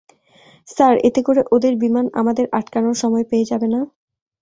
Sir, এতে করে ওদের বিমান আমাদের আটকানোর সময় পেয়ে যাবে না?